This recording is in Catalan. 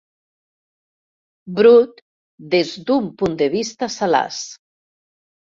Brut des d'un punt de vista salaç.